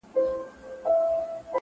• ماجبیني د مهدي حسن آهنګ یم ـ